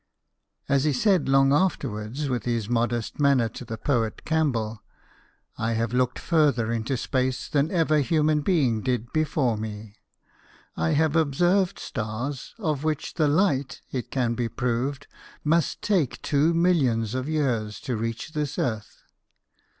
As he said long afterwards with his modest manner to the poet Campbell, " I have looked further into space than ever human being did before me. I have observed stars of which the light, it can be proved, must take two millions of years to reach this earth."